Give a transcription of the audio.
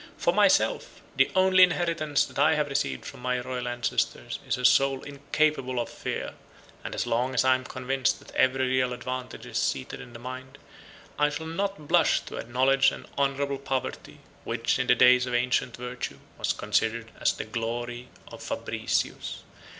For myself, the only inheritance that I have received from my royal ancestors is a soul incapable of fear; and as long as I am convinced that every real advantage is seated in the mind, I shall not blush to acknowledge an honorable poverty, which, in the days of ancient virtue, was considered as the glory of Fabricius.